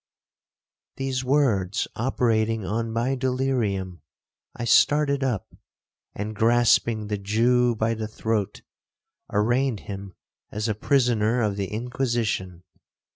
'These words operating on my delirium, I started up, and, grasping the Jew by the throat, arraigned him as a prisoner of the Inquisition.